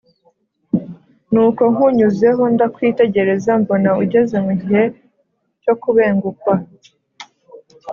Nuko nkunyuzeho ndakwitegereza mbona ugeze mu gihe cyo kubengukwa